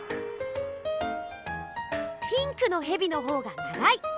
ピンクのヘビの方が長い！